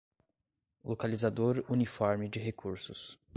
Localizador uniforme de recursos